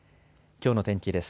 きょうの天気です。